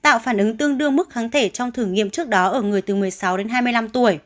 tạo phản ứng tương đương mức kháng thể trong thử nghiệm trước đó ở người từ một mươi sáu đến hai mươi năm tuổi